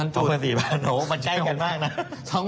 ๒๔๐๐๐จุดโอ้โหมันใกล้กันมากนะ๒๔๐๐๐จุด